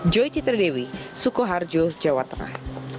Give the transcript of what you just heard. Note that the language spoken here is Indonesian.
joy citradewi sukoharjo jawa tengah